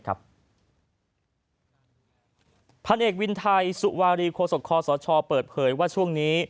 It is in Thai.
พันเอกวินไทยสุวารีโคศกคอสชเปิดเผยว่าช่วงนี้